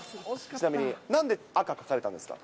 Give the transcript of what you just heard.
ちなみになんで赤書かれたんですか。